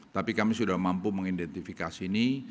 tapi kami sudah mampu mengidentifikasi ini